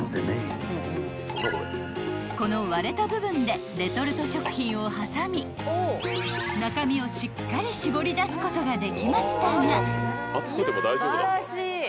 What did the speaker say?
［この割れた部分でレトルト食品を挟み中身をしっかり絞り出すことができましたが］